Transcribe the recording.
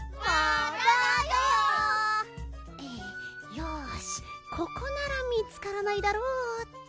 よしここなら見つからないだろうっと。